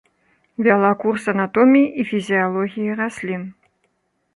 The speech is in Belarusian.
Вяла курс анатоміі і фізіялогіі раслін.